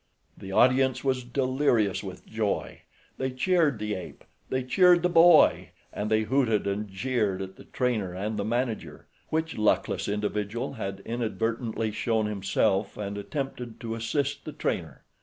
The audience was delirious with joy. They cheered the ape. They cheered the boy, and they hooted and jeered at the trainer and the manager, which luckless individual had inadvertently shown himself and attempted to assist the trainer.